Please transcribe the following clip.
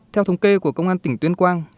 theo thống kê của công an tỉnh tuyên quang